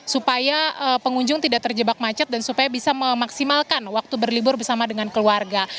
supaya pengunjung tidak terjebak macet dan supaya bisa memaksimalkan waktu berlibur bersama dengan keluarga